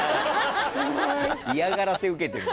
嫌がらせ受けてる。